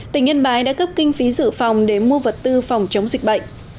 tỉnh yên bài đã cấp kinh phí giữ phòng để mua vật tư phòng chống dịch bệnh